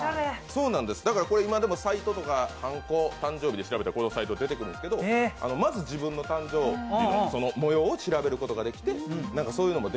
だからこれ今でもサイトとかはんこ、誕生日で調べたらこれが出てくるんですけど、まず自分の誕生日の模様を調べることができて。